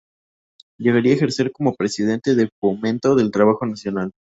Llegaría a ejercer como presidente de Fomento del Trabajo Nacional.